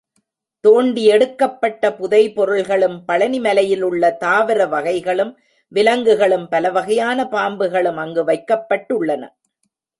தோண்டி யெடுக்கப்பட்ட புதைபொருள்களும் பழனி மலையிலுள்ள தாவர வகைகளும், விலங்குகளும், பலவகையான பாம்புகளும் அங்கு வைக்கப்பட்டுள்ளன.